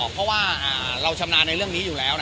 เพราะว่าเราชำนาญในเรื่องนี้อยู่แล้ว